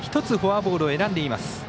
１つフォアボールを選んでいます。